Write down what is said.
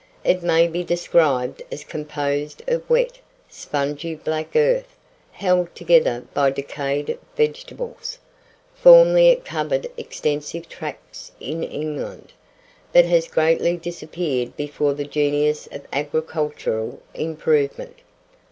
It may be described as composed of wet, spongy black earth, held together by decayed vegetables. Formerly it covered extensive tracts in England, but has greatly disappeared before the genius of agricultural improvement.